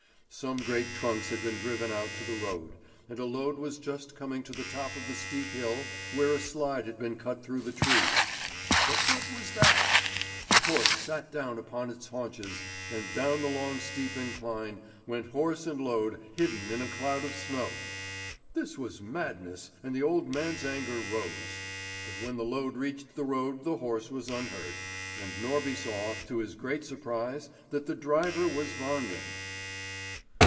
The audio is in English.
Some great trunks had been driven out to the road, and a load was just coming to the top of the steep hill where a slide had been cut through the trees. But what was that? The horse sat down upon its haunches, and down the long steep incline went horse and load hidden in a cloud of snow. This was madness, and the old man's anger rose. But when the load reached the road the horse was unhurt, and Norby saw, to his great surprise, that the driver was Wangen.